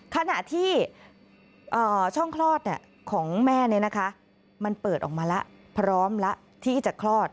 ขณะที่ช่องคลอดของแม่มันเปิดออกมาแล้วพร้อมแล้วที่จะคลอด